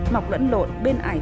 mọc lẫn lộn bên ải cổ